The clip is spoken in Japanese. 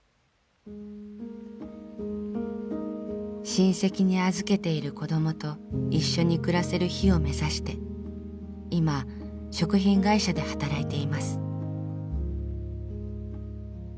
親戚に預けている子どもと一緒に暮らせる日を目指して今食品会社で働いています。